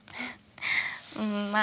うんまあ